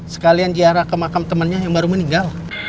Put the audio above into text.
sekalian ziarah ke makam temannya yang baru meninggal